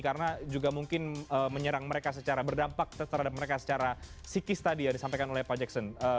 karena juga mungkin menyerang mereka secara berdampak terhadap mereka secara psikis tadi yang disampaikan oleh pak jackson